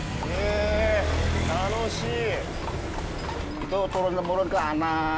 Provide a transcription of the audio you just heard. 楽しい！